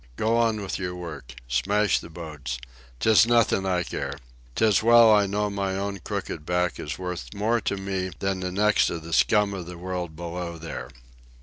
Go on with your work. Smash the boats. 'Tis nothin' I care. 'Tis well I know my own crooked back is worth more to me than the necks of the scum of the world below there."